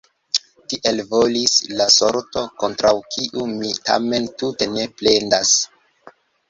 Tiel volis la sorto, kontraŭ kiu mi tamen tute ne plendas.